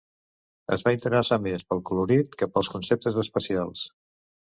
Es va interessar més pel colorit que pels conceptes espacials.